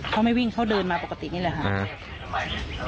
เขาไม่วิ่งเขาเดินมาปกตินี่แหละค่ะ